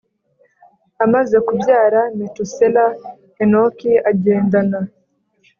Amaze kubyara Metusela Henoki agendana